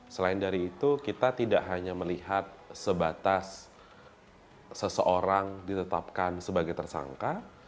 selain dari itu kita tidak hanya melihat sebatas seseorang ditetapkan sebagai tersangka